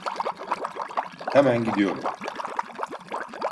Hemen gidiyorum.